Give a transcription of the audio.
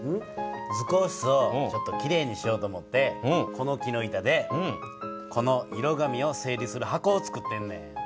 図工室をちょっときれいにしようと思ってこの木の板でこの色紙を整理する箱をつくってんねん。